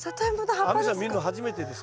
亜美さん見るの初めてですかね？